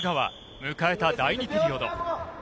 迎えた第２ピリオド。